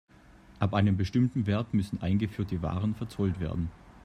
Ab einem bestimmten Wert müssen eingeführte Waren verzollt werden.